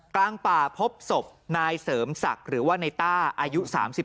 กลางป่าพบศพนายเสริมศักดิ์หรือว่าในต้าอายุ๓๓